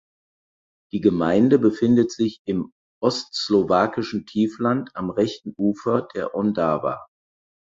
Die Gemeinde befindet sich im Ostslowakischen Tiefland am rechten Ufer der Ondava.